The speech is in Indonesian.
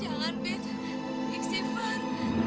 jangan pete iksifar